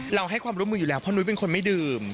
ให้ความร่วมมืออยู่แล้วเพราะนุ้ยเป็นคนไม่ดื่ม